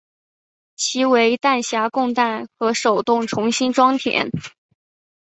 其为弹匣供弹和手动重新装填。